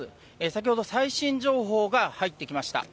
先ほど、最新情報が入ってきました。